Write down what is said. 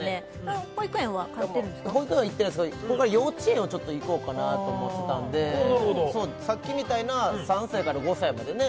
はい保育園は通ってるんですか保育園は行ってないですけどこれから幼稚園をちょっと行こうかなと思ってたのでさっきみたいな３歳から５歳までね